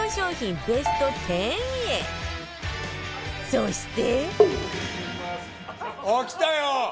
そして